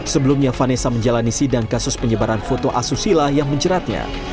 sebelumnya vanessa menjalani sidang kasus penyebaran foto asusila yang menjeratnya